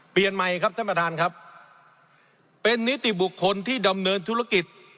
เปลี่ยนใหม่ครับท่านประธานครับเป็นนิติบุคคลที่ดำเนินธุรกิจ